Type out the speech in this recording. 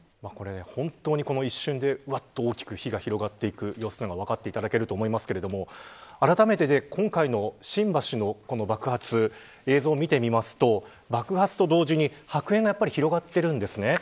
本当にこの一瞬でわっと大きく火が広がっていく様子が分かっていただけると思いますがあらためて今回の新橋の爆発の映像を見てみますと爆発と同時に白煙が広がってるんですね。